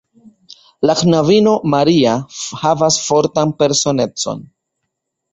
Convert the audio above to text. La knabino Maria havas fortan personecon.